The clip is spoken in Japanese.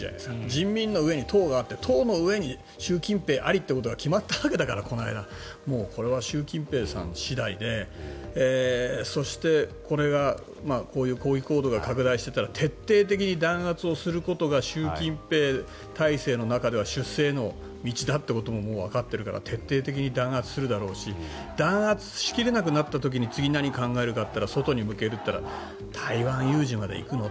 人民の上に党があって党の上に習近平ありということが決まったわけだからこれは習近平さん次第でそして、こういう抗議行動が拡大していったら徹底的に弾圧をすることが習近平体制の中では出世の道だということもわかっているから徹底的に弾圧するだろうし弾圧しきれなかった時に次に何を考えるかというと外へ向けるというのは台湾有事まで行くの？